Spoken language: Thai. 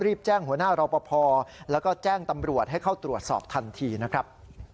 แจ้งหัวหน้ารอปภแล้วก็แจ้งตำรวจให้เข้าตรวจสอบทันทีนะครับ